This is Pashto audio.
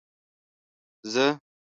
زه.